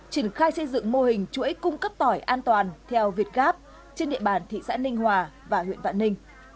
triển khai xây dựng mô hình chuỗi cung cấp tỏi an toàn theo việt gáp trên địa bàn thị xã ninh hòa và huyện vạn ninh